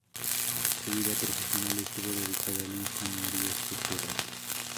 Su vida profesional estuvo dedicada a la ingeniería estructural.